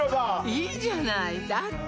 いいじゃないだって